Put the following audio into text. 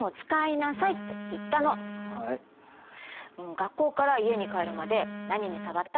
学校から家に帰るまで何に触った？